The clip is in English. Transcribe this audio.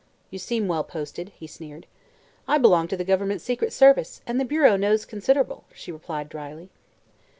"You seem well posted," he sneered. "I belong to the Government Secret Service, and the Bureau knows considerable," she replied dryly.